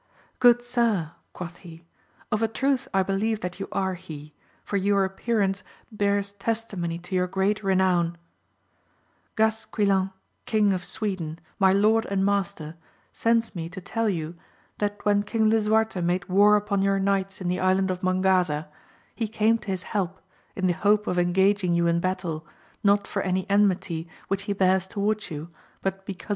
Good sir, quoth he, of a truth I believe that you are he, for your appear^ ance bears testimony to your great renown ! Gasquilan, King of Sweden, my lord and master, sends me to tell you, that when King Lisuarte made war upon your knights in the island of Mongaza, he came to his help, in the hope of engaging you in battle, not for any /enmity which he bears towards you, but because c^ AMADIS OF GAUL.